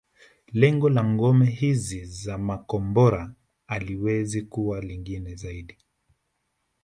Lengo la ngome hizi za makombora haliwezi kuwa lingine zaidi